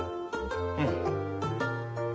うん。